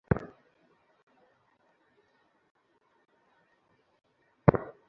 আপনি হয়তো এক্ষণে, দিকভ্রান্ত হয়ে, সুইডিশ অ্যাকাডেমির নীতিমালাটা একবার পড়ে দেখতে পারেন।